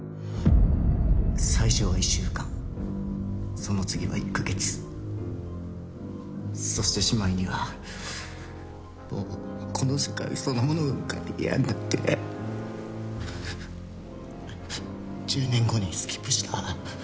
最初は１週間その次は１カ月そしてしまいにはもうこの世界そのものが嫌になって１０年後にスキップした。